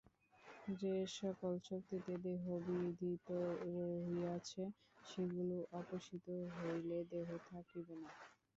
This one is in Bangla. যে-সকল শক্তিতে দেহ বিধৃত রহিয়াছে, সেগুলি অপসৃত হইলে দেহ থাকিবে না।